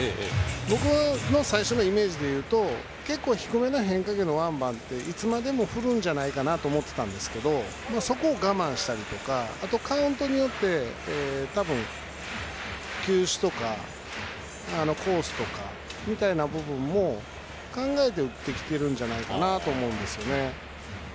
僕の最初のイメージでいうと結構、低めの変化球のワンバウンドをいつまでも振るんじゃないかと思っていたんですけどそこを我慢したりとかあと、カウントによって球種やコースの部分も考えて、打ってきているんじゃないかと思いますね。